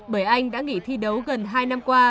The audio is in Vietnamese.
bởi anh đã nghỉ thi đấu gần hai năm qua